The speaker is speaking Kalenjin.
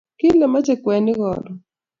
Kela mache kwenik karon